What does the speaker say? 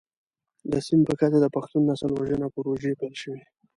د سیمې په کچه د پښتون نسل وژنه پروژې پيل شوې.